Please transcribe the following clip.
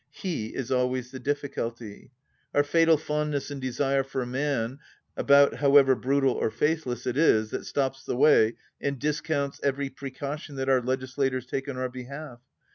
He is always the difficulty. Our fatal fondness and desire for a man about, however brutal or faithless, it is that stops the way and discounts every pre caution that our legislators take on our behalf.